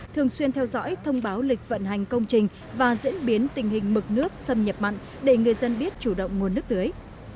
thường xuyên theo dõi thông báo lịch vận hành công trình và diễn biến tình hình mực nước xâm nhập mặn để người dân biết chủ động nguồn nước tưới